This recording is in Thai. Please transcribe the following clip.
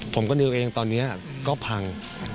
ผมก็นึกว่าตอนนี้ก็พัง